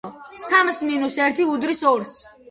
სამს მინუს ერთი უდრის ორს.